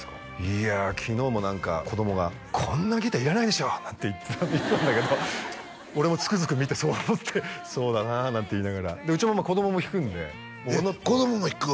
いや昨日も何か子供がこんなにギターいらないでしょなんて言ってたんだけど俺もつくづく見てそう思ってそうだななんて言いながらうち子供も弾くんでえっ子供も弾く？